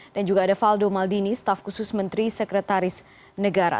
dan juga ada faldo maldini staf khusus menteri sekretaris negara